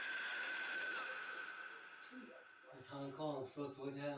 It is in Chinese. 但这一事件的直接起因是楚天都市报夸大增白剂标准。